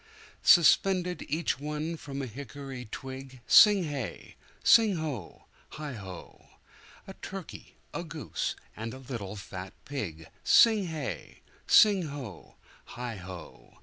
Suspended each one from a hickory twig Sing hey! sing ho! heigho!A turkey, a goose, and a little fat pig Sing hey! sing ho! heigho!